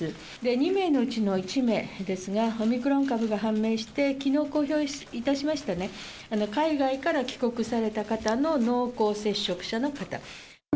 ２名のうちの１名ですが、オミクロン株が判明して、きのう公表いたしました海外から帰国された方の濃厚接触者の方。